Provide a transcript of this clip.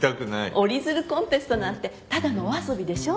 折り鶴コンテストなんてただのお遊びでしょ。